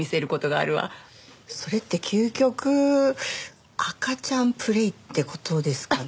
それって究極赤ちゃんプレイって事ですかね？